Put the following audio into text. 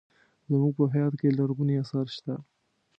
زموږ په هېواد کې لرغوني اثار شته.